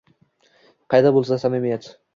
Qayda bo’lsa samimiyat —